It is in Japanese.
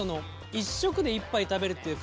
１食で１杯食べるっていうか